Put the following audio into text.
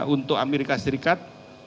untuk amerika serikat